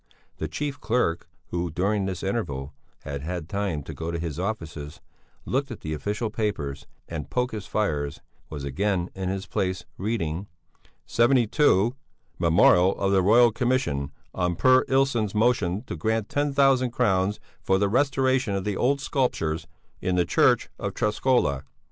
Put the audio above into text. The chief clerk, who during this interval had had time to go to his offices, look at the official papers, and poke his fires, was again in his place, reading: "72. Memorial of the Royal Commission on Per Ilsson's motion to grant ten thousand crowns for the restoration of the old sculptures in the church of Träskola."